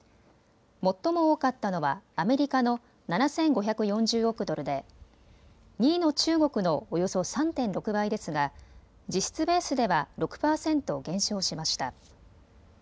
最も多かったのはアメリカの７５４０億ドルで２位の中国のおよそ３．６倍ですが実質ベースでは６％減少しました。